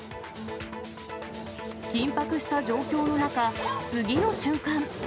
緊迫した状況の中、次の瞬間。